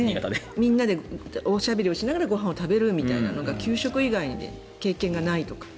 みんなでおしゃべりしながらご飯を食べるのが給食以外で経験がないとか。